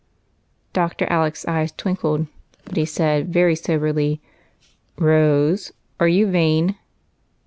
Dr. Alec's eyes twinkled, but he said very so berly, — "Rose, are you vain?"